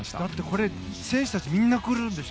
これ、選手たちみんな来るんでしょ？